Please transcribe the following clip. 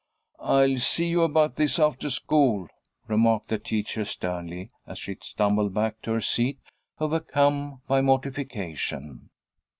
"I'll see you about this after school," remarked the teacher, sternly, as she stumbled back to her seat, overcome by mortification.